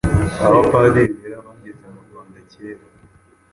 Abapadiri bera bageze mu Rwanda kera,